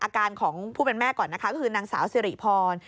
อาการของผู้เป็นแม่ก่อนนะคะก็คือนางสาวสิริพร